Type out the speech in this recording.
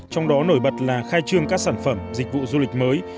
trong đó nổi bật là khai trương các sản phẩm dịch vụ du lịch mới